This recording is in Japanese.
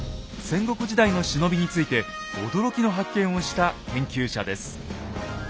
戦国時代の忍びについて驚きの発見をした研究者です。